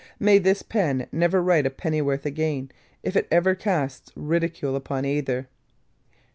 May this pen never write a pennyworth again, if it ever casts ridicule upon either!